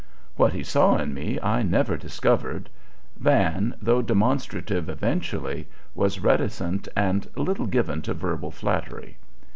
What he saw in me I never discovered. Van, though demonstrative eventually, was reticent and little given to verbal flattery.